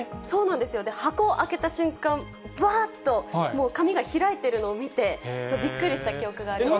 箱を開けた瞬間、ぶわーっと紙が開いてるのを見て、びっくりした記憶があります。